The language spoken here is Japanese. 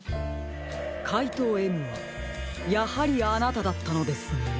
かいとうＭはやはりあなただったのですね。